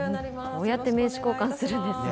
こうやって名刺交換するんですね。